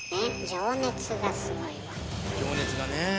情熱がすごいわ。